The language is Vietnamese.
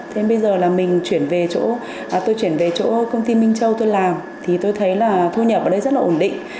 thế bây giờ là mình chuyển về chỗ tôi chuyển về chỗ công ty minh châu tôi làm thì tôi thấy là thu nhập ở đây rất là ổn định